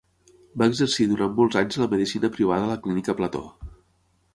Va exercir durant molts anys la medicina privada a la Clínica Plató.